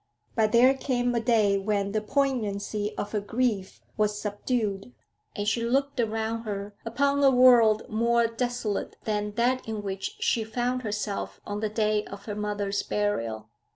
But there came a day when the poignancy of her grief was subdued, and she looked around her upon a world more desolate than that in which she found herself on the day of her mother's burial.